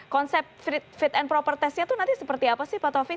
konsep fit and proper testnya itu nanti seperti apa sih pak taufik